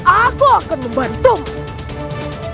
aku akan membantumu